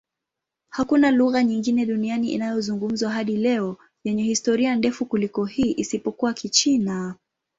Hakuna lugha nyingine duniani inayozungumzwa hadi leo yenye historia ndefu kuliko hii, isipokuwa Kichina.